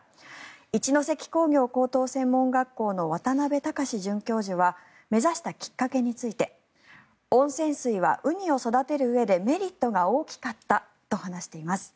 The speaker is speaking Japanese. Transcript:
一関工業高等専門学校の渡邊崇准教授は目指したきっかけについて温泉水はウニを育てるうえでメリットが大きかったと話しています。